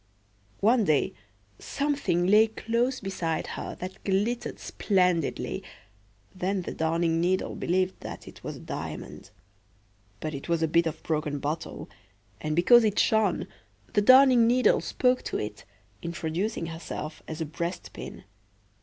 One day something lay close beside her that glittered splendidly; then the Darning needle believed that it was a diamond; but it was a bit of broken bottle; and because it shone, the Darning needle spoke to it, introducing herself as a breast pin.